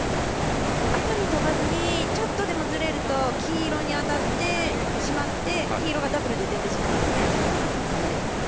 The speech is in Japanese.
赤に飛ばずにちょっとでもずれると黄色に当たってしまって黄色がダブルで出てしまうという恐れもあるんですね。